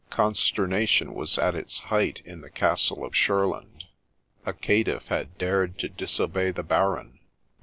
Consternation was at its height in the castle of Shurland — a caitiff had dared to disobey the Baron